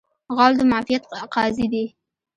غول د معافیت قاضي دی.